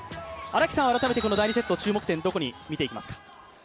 荒木さんは改めてこの第２セット、注目点はどこを見ていきますか？